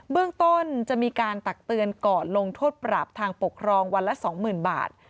เรื่องต้นจะมีการตักเตือนก่อนลงโทษปรับทางปกครองวันละ๒๐๐๐บาท